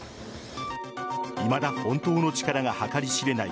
いまだ本当の力が計り知れない